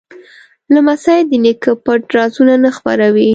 لمسی د نیکه پټ رازونه نه خپروي.